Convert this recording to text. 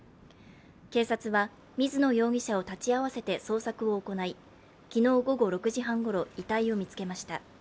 警察は水野容疑者を立ち会わせて捜索を行い昨日午後６時半ごろ遺体を見つけました。